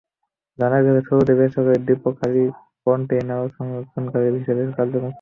জানা গেছে, শুরুতে বেসরকারি ডিপো খালি কনটেইনার সংরক্ষণাগার হিসেবে কার্যক্রম শুরু করে।